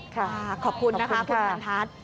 ค่ะขอบคุณนะคะคุณการพัด